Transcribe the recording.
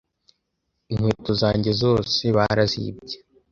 inkweto zanjye zose barazibye